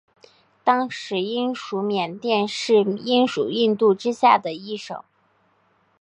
当时英属缅甸是英属印度之下的一省。